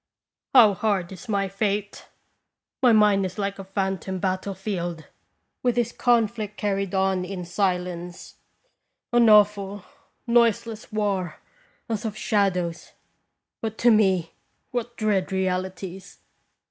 How hard is my fate! My mind is like a phantom battle field, with this conflict carried on in silence an awful, noiseless war, as of shadows ; but, to me, what dread realities